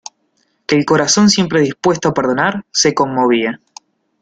que el corazón siempre dispuesto a perdonar, se conmovía.